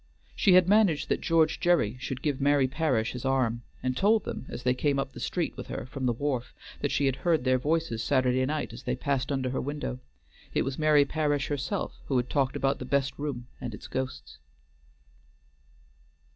She had managed that George Gerry should give Mary Parish his arm, and told them, as they came up the street with her from the wharf, that she had heard their voices Saturday night as they passed under her window: it was Mary Parish herself who had talked about the best room and its ghosts.